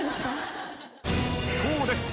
そうです。